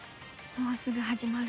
もうすぐ始まる。